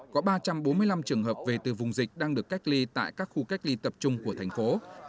có ba trăm bốn mươi năm trường hợp về từ vùng dịch đang được cách ly tại các khu cách ly tập trung của thành phố